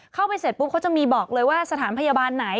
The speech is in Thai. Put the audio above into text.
เข้าไปเสร็จปุ๊บเขาจะมีบอกเลยว่าสถานพยาบาลไหน